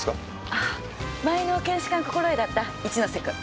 あっ前の検視官心得だった一ノ瀬君。